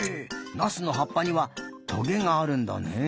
ナスのはっぱにはトゲがあるんだねえ。